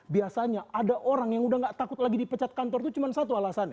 biasanya ada orang yang udah gak takut lagi dipecat kantor itu cuma satu alasannya